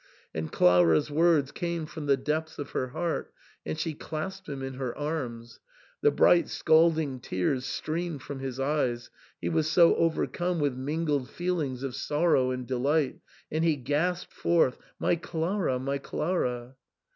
And Clara's words came from the depths of her heart ; and she clasped him in' her arms. The bright scalding tears streamed from his eyes, he was so overcome with mingled feel ings of sorrow and delight ; and he gasped forth, " My Clara, my Clara!"